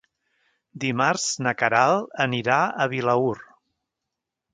Dimarts na Queralt anirà a Vilaür.